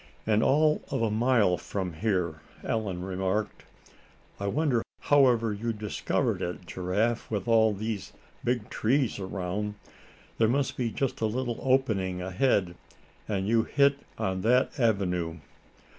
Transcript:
"And all of a mile from here," Allan remarked. "I wonder however you discovered it, Giraffe, with all these big trees around. There must be just a little opening ahead, and you hit on that avenue."